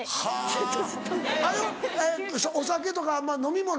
お酒とか飲み物。